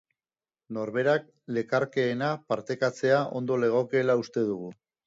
Norberak lekarkeena partekatzea ondo legokeela uste dugu.